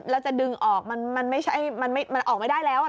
แล้วจะดึงออกมันมันไม่ใช่มันไม่มันออกไม่ได้แล้วอ่ะ